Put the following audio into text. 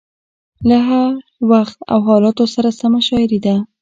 له هر وخت او حالاتو سره سمه شاعري ده.